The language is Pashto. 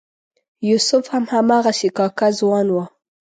یوسف هم هماغسې کاکه ځوان و.